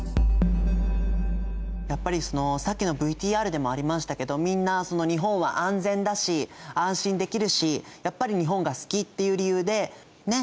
やっぱりさっきのＶＴＲでもありましたけどみんな日本は安全だし安心できるしやっぱり日本が好きっていう理由でね？